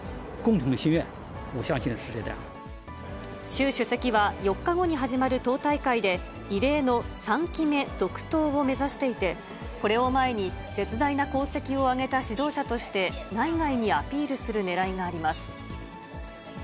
習主席は４日後に始まる党大会で、異例の３期目続投を目指していて、これを前に、絶大な功績を上げた指導者として、内外にアピールするねらいがあります。